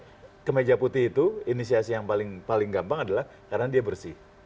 jadi kemeja putih itu inisiasi yang paling gampang adalah karena dia bersih